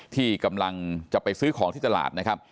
ที่กำลังจะไปซื้อของที่ตลาดนะครับ